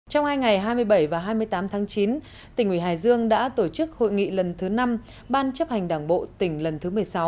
trong hai ngày hai mươi bảy và hai mươi tám tháng chín tỉnh ủy hải dương đã tổ chức hội nghị lần thứ năm ban chấp hành đảng bộ tỉnh lần thứ một mươi sáu